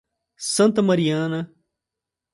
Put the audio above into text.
Santa Mariana